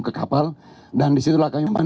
ke kapal dan disitulah kami